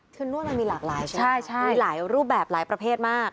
คือนวดมันมีหลากหลายใช่ไหมมีหลายรูปแบบหลายประเภทมาก